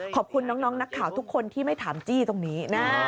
ขอบคุณน้องนักข่าวทุกคนที่ไม่ถามจี้ตรงนี้นะ